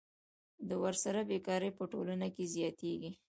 ورسره بېکاري په ټولنه کې زیاتېږي